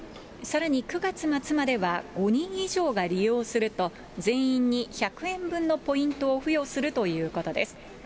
さらに９月末までは、５人以上が利用すると、全員に１００円分のポイントを付与するということです。